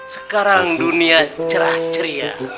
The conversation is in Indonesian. sekarang dunia cerah ceria